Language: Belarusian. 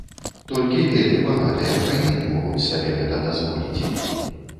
Толькі вельмі багатыя краіны могуць сабе гэта дазволіць.